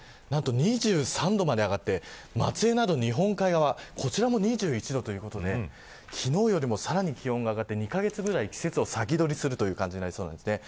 ２３度まで上がって松江など日本海側も２１度ということで昨日よりも気温が上がって２カ月ぐらい季節を先取りしそうです。